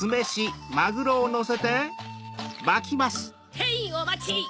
へい！おまち！